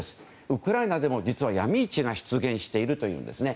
ウクライナでも実はヤミ市が出現してるんですね。